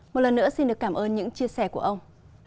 một lần nữa xin được cảm ơn những chia sẻ của ông